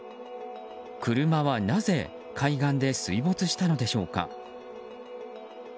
車はなぜ海岸で水没したのでしょうか。